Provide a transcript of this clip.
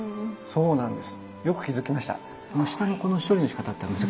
そうなんです。